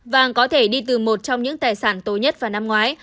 vàng có thể đi từ một trong những tài sản tối nhất vào năm ngoái